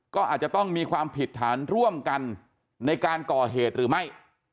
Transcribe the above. ก็อาจจะต้องมีความผิดฐานร่วมกันในการก่อเหตุหรือไม่